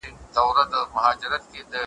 وخت په وخت به یې پر کور کړلی پوښتني `